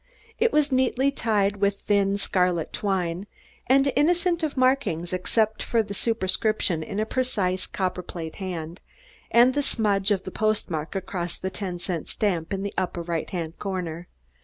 It was neatly tied with thin scarlet twine, and innocent of markings except for the superscription in a precise, copperplate hand, and the smudge of the postmark across the ten cent stamp in the upper right hand corner.